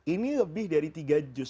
ini lebih dari tiga jus